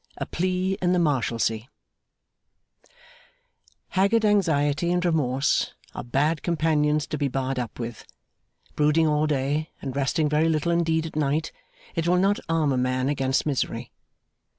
A Plea in the Marshalsea Haggard anxiety and remorse are bad companions to be barred up with. Brooding all day, and resting very little indeed at night, will not arm a man against misery.